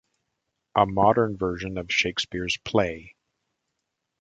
A modern version of Shakespeare's play.